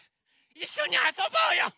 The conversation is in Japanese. いっしょにあそぼうよ！